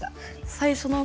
最初のが？